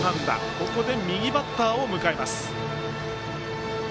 ここで右バッターを迎えます。